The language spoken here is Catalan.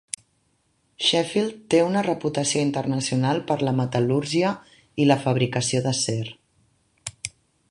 Sheffield té una reputació internacional per la metal·lúrgia i la fabricació d'acer.